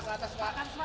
atas pak atas pak